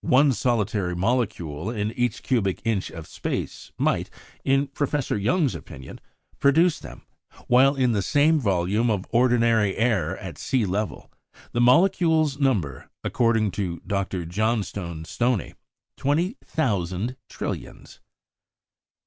One solitary molecule in each cubic inch of space might, in Professor Young's opinion, produce them; while in the same volume of ordinary air at the sea level, the molecules number (according to Dr. Johnstone Stoney) 20,000 trillions!